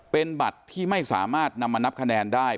เป็นบัตรที่ไม่สามารถนำมานับคะแนนได้